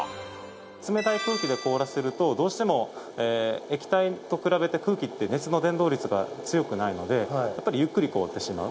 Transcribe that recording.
冷たい空気で凍らせるとどうしても液体と比べて空気と熱の伝導率が強くないのでゆっくり凍ってしまう。